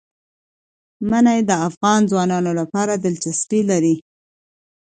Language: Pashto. منی د افغان ځوانانو لپاره دلچسپي لري.